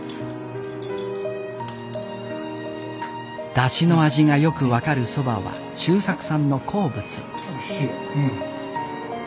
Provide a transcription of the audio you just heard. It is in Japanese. だしの味がよく分かるそばは秀作さんの好物。